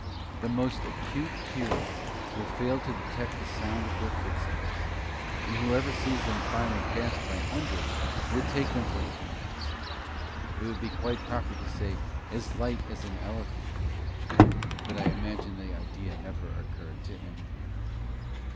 The most acute hearing will fail to detect the sound of their footsteps; and whoever sees them filing past by hundreds would take them for phantoms. It would be quite proper to say "as light as an elephant" but I imagine the idea never occurred to any one.